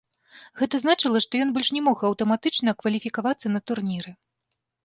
Гэта значыла, што ён больш не мог аўтаматычна кваліфікавацца на турніры.